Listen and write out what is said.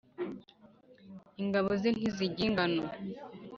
Ingabo ze ntizigira ingano,